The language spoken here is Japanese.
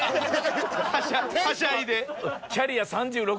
はしゃいで。